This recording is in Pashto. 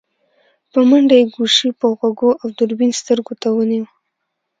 په منډه يې ګوشي په غوږو او دوربين سترګو ته ونيو.